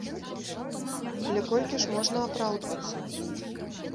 Але колькі ж можна апраўдвацца?